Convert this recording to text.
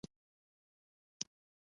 آزاد تجارت مهم دی ځکه چې فرصتونه ورکوي.